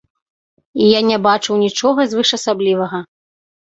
Я не бачыў нічога звышасаблівага.